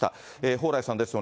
蓬莱さんです。